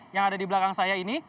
yang ada di belakang saya ini